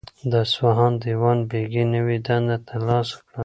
د اصفهان دیوان بیګي نوی دنده ترلاسه کړه.